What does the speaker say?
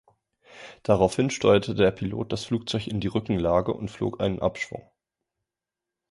Daraufhin steuerte der Pilot das Flugzeug in die Rückenlage und flog einen Abschwung.